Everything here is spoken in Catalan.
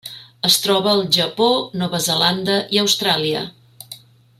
Es troba al Japó, Nova Zelanda i Austràlia.